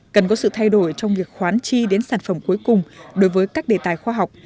cần có sự thay đổi trong việc khoán chi đến sản phẩm cuối cùng đối với các đề tài khoa học